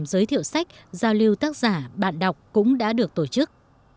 giới thiệu sách giao lưu tác giả bạn đọc cũng đã được tổ chức